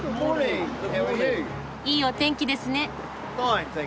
いいお天気ですね。